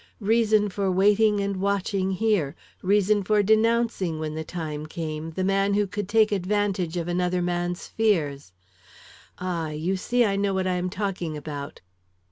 Reason for waiting and watching here; reason for denouncing, when the time came, the man who could take advantage of another man's fears! Ah, you see I know what I am talking about."'